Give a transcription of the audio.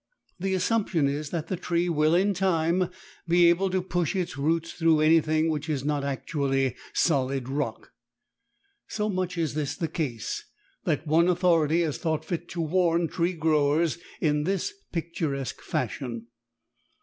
The assumption is that the tree will, in time, be able to push its roots through anything which is not actually solid rock. So much is this the case that one authority has thought fit to warn tree growers in this picturesque fashion.